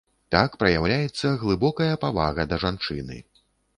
Так праяўляецца глыбокая павага да жанчыны.